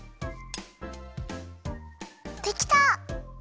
できた！